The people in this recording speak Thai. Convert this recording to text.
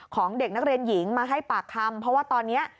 ของเด็กนักเรียนหญิงมาให้ปากคำเพราะว่าตอนนี้